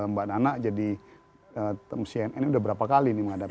mbak nana jadi cnn ini udah berapa kali nih menghadapi